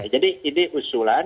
jadi ini usulan